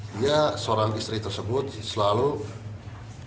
dia seorang istri tersebut selalu meminta untuk cerai